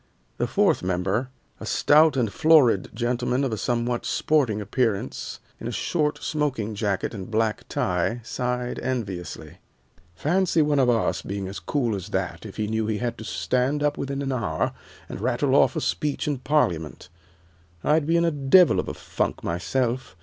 The fourth member, a stout and florid gentleman of a somewhat sporting appearance, in a short smoking jacket and black tie, sighed enviously. "Fancy one of us being as cool as that, if he knew he had to stand up within an hour and rattle off a speech in Parliament. I 'd be in a devil of a funk myself.